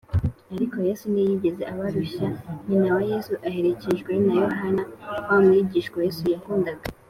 ariko yesu ntiyigeze abarushya nyina wa yesu, aherekejwe na yohana wa mwigishwa yesu yakundaga